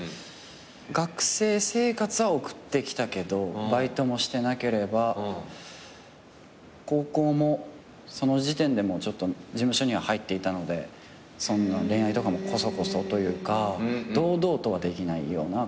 学生生活は送ってきたけどバイトもしてなければ高校もその時点で事務所には入っていたので恋愛とかもコソコソというか堂々とはできないような。